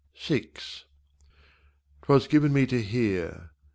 VI 'Twas given me to hear.